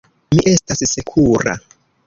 Mi estas sekura.